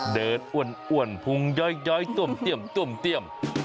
เดินอ่วนอ่วนพุงย้อยย้อยต้มเตียมต้มเตียม